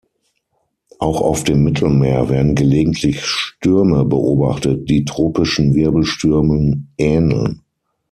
Auch auf dem Mittelmeer werden gelegentlich Stürme beobachtet, die tropischen Wirbelstürmen ähneln.